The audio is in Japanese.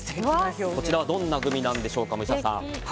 こちらはどんなグミでしょうか？